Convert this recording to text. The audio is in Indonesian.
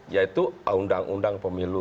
yaitu undang undang pemilu